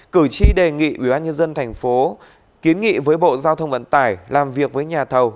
cử tri đề nghị ubnd tp kiến nghị với bộ giao thông vận tải làm việc với nhà thầu